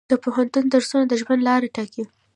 د پوهنتون درسونه د ژوند لاره ټاکي.